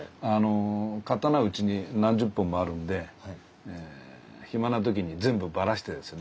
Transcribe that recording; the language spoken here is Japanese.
刀うちに何十本もあるんで暇な時に全部ばらしてですね